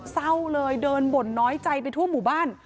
เศร้าเลยเดินบ่นน้อยใจไปทั่วหมู่บ้าน